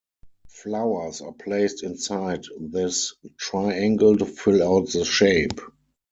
Flowers are placed inside this triangle to fill out the shape.